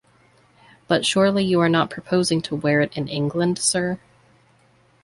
But surely you are not proposing to wear it in England, sir?